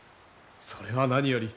それは何より。